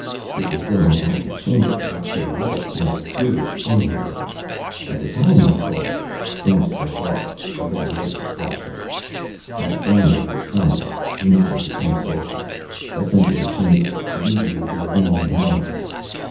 It was going out of the chamber, back to the lift, when a curious thing happened. At the time, I thought " Franks broke off. A red light was flashing. "That down lift is coming." He nodded to some soldiers. "Let's enter the chamber. The leady will be along in a moment."